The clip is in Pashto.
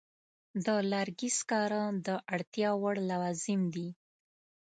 د لرګي سکاره د اړتیا وړ لوازم دي.